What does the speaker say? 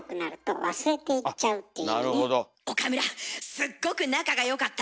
すっごく仲が良かった